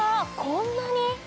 こんなに？